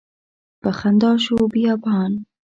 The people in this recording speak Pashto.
په خندا شو بیابان